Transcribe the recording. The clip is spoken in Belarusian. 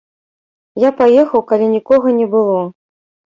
Я паехаў, калі нікога не было.